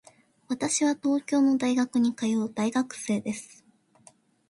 私は東京の大学に通う大学生です。